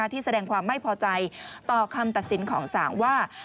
ที่แสดงความไม่พอใจต่อคำตัดสินของศาลว่า